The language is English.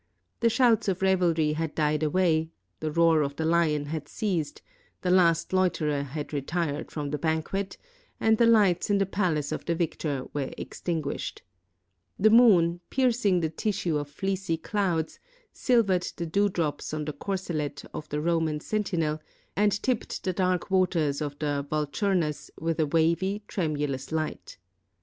The shouts of revelry had died away; the roar of the lion had ceased; the last loiterer had retired from the banquet, and the lights in the palace of the victor were extin guished. The moon, piercing the tissue of fleecy clouds, silvered the dewdrops on the corselet of the Roman sentinel, and tipped 'the dark waters of the Vulturnus with a wavy, tremulous light.